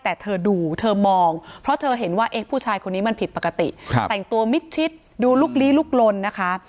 แต่เธอดูเธอมองเพราะเธอเห็นว่าเอ๊ะผู้ชายคนนี้มันผิดปกติแต่งตัวมิดชิดดูลุกลี้ลุกลนนะคะ